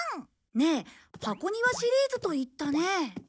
ねえ箱庭シリーズと言ったね。